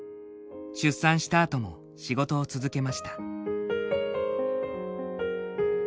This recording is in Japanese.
出産したあとも仕事を続けました。